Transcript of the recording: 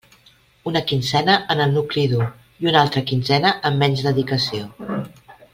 Una quinzena en el nucli dur, i una altra quinzena amb menys dedicació.